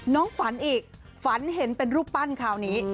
น้องฝันอีกฝันเห็นเป็นรูปปั้นคราวนี้